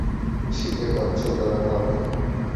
শীতে কাঁপছে তার হাত।